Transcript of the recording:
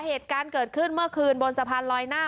เหตุการณ์เกิดขึ้นเมื่อคืนบนสะพานลอยหน้า